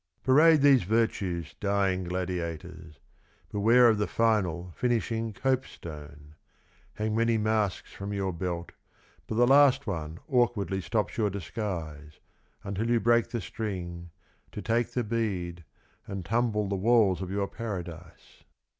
Parade these virtues, dying gladiators! Beware of the final, finishing copestone. Hang many masks from your belt, but the last one awkwardly stops your disguise, until you break the string, to take the bead — And tumble the walls of your Paradise.